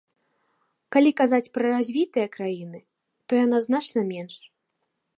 Калі казаць пра развітыя краіны, то яна значна менш.